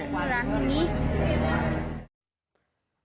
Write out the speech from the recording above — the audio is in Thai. มันมีรังอย่างนี้